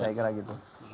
saya kira begitu